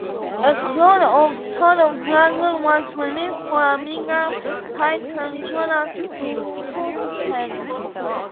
A clone of "Son of Blagger" was released for Amiga, titled "Jonas Fulstrand".